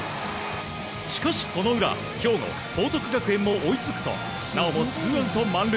しかし、その裏兵庫・報徳学園も追いつくと追いつくとなおもツーアウト満塁。